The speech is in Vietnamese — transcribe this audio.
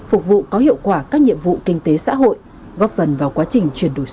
phục vụ có hiệu quả các nhiệm vụ kinh tế xã hội góp phần vào quá trình chuyển đổi số